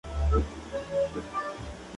Sawyer no confió en Locke, pero le siguió.